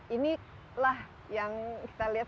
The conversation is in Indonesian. inilah yang kita lihat